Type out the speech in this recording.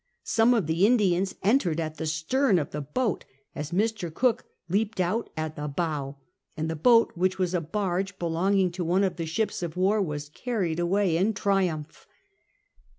Some of the Indians entered at the stern of the boat as Mr. Cook leaped out at the bow; and the boat, which was a barge belonging to one of the ships of war, was carried away in triumph.